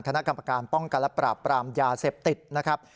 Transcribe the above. คณะกรรมการป้องกันและปราบปรามยาเสพติดนะครับ